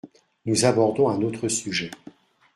Nous abordons un autre sujet.